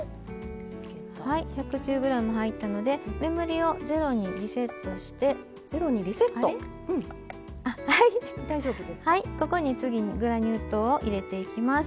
１１０ｇ入ったので目盛りを０にリセットしてここに次にグラニュー糖を入れていきます。